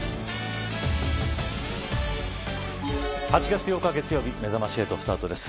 ８月８日、月曜日めざまし８スタートです。